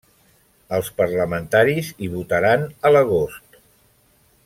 Els parlamentaris hi votaran a l'agost.